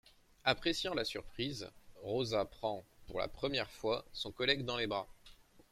Appréciant la surprise, Rosa prend, pour la première fois, son collègue dans les bras.